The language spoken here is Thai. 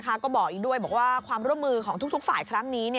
ก็บอกอีกด้วยบอกว่าความร่วมมือของทุกฝ่ายครั้งนี้